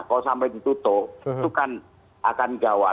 kalau sampai ditutup itu kan akan gawat